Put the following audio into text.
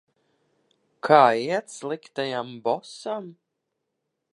Kā iet sliktajam bosam?